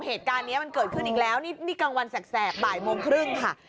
เหตุการณ์นี้มันเกิดขึ้นอีกแล้วนี่กลางวันแสกบ่ายโมงครึ่งค่ะ